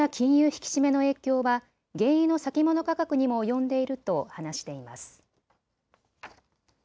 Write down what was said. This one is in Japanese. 引き締めの影響は原油の先物価格にも及んでいると話しています。